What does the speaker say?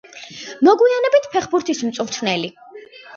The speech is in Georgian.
მოგვიანებით ფეხბურთის მწვრთნელი.